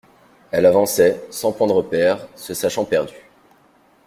Elle avançait sans point de repère, se sachant perdue.